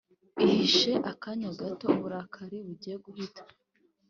Ihishe akanya gato, uburakari bugiye guhita.